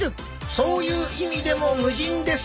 そういう意味でも無人です